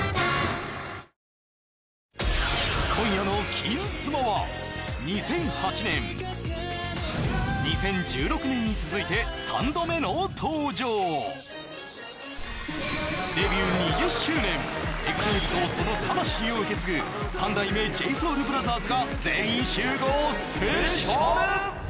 今夜の「金スマ」は２００８年２０１６年に続いて３度目の登場デビュー２０周年ＥＸＩＬＥとその魂を受け継ぐ三代目ＪＳＯＵＬＢＲＯＴＨＥＲＳが全員集合スペシャル！